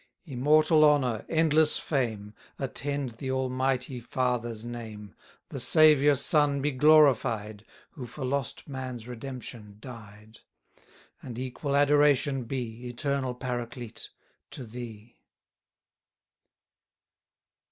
Immortal honour, endless fame, Attend the Almighty Father's name The Saviour Son be glorified, Who for lost man's redemption died: And equal adoration be, Eternal Paraclete, to thee!